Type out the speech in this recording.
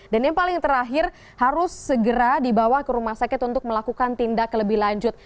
dan yang paling terakhir harus segera dibawa ke rumah sakit untuk melakukan tindak lebih lanjut